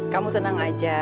kamu tenang aja